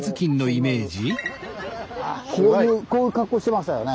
こういう格好してましたよね。